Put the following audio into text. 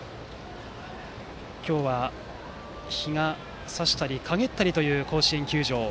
今日は日が差したりかげったりという甲子園球場。